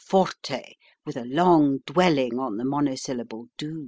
forte, with a long dwelling on the monosyllable "do."